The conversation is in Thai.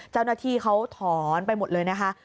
เจ้าหน้าที่เขาถอนไปหมดเลยนะคะ